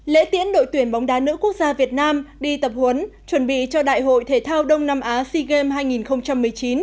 lễ tiễn đội tuyển bóng đá nữ quốc gia việt nam đi tập huấn chuẩn bị cho đại hội thể thao đông nam á sea games hai nghìn một mươi chín